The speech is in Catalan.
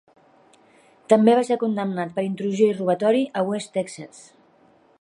També va ser condemnat per intrusió i robatori a West Texas.